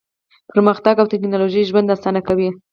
پرمختګ او ټیکنالوژي ژوند اسانه کوي.